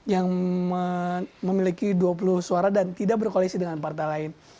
yang memiliki dua puluh suara dan tidak berkoalisi dengan partai lain